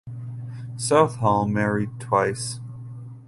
Southall married twice.